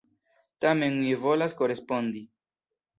Tamen mi volas korespondi.